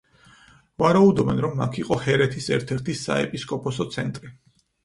ვარაუდობენ, რომ აქ იყო ჰერეთის ერთ-ერთი საეპისკოპოსო ცენტრი.